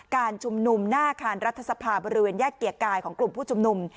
การชุมนุมหน้าอาคารรัฐสภาบริเวณแยกเกียรติกายของกลุ่มผู้ชุมนุม